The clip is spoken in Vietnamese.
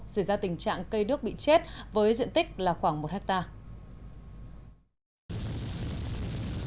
xảy ra tình trạng cây đước bị chết với diện tích khoảng một hectare